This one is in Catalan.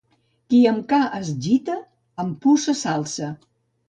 Qui amb ca es gita, amb puces s'alça.